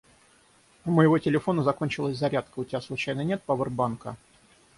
У моего телефона закончилась зарядка. У тебя случайно нет повербанка?